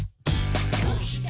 「どうして？